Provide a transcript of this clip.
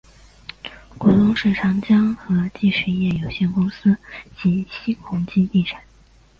股东是长江和记实业有限公司及新鸿基地产。